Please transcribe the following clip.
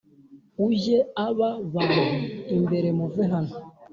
ujye aba bantu imbere muve hano,